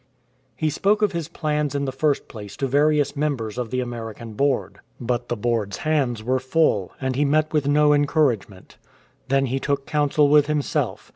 He spoke of his plans in the first place to various members of the American Board. But the Board's hands S8 RETURN TO JAPAN were full, and he met with no encouragement. Then he took counsel with himself.